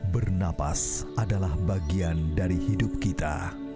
bernapas adalah bagian dari hidup kita